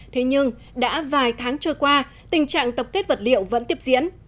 thế nhưng đã vài tháng trôi qua tình trạng tập kết vật liệu vẫn tiếp diễn